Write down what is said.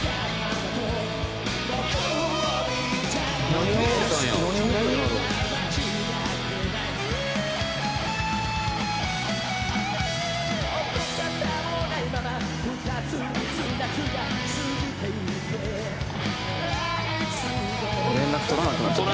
「何を守りたいんやろう」「連絡取らなくなっちゃった」